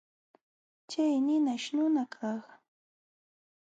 Chay ninashimi nunakaq yanqalmi piñaqchiman.